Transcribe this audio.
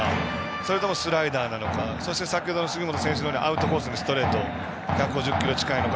それともスライダーなのか先程の杉本選手のようにアウトコースのストレート１５０キロ近いのか。